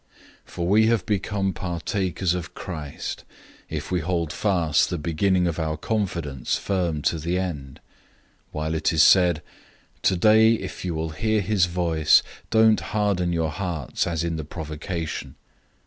003:014 For we have become partakers of Christ, if we hold fast the beginning of our confidence firm to the end: 003:015 while it is said, "Today if you will hear his voice, don't harden your hearts, as in the rebellion."